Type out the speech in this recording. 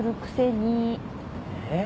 えっ？